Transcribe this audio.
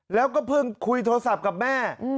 แล้วก็เพิ่งคุยโทรศัพท์กับแม่